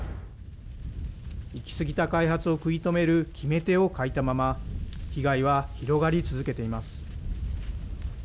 行き過ぎた開発を食い止める決め手を欠いたまま、被害は広がり続けています。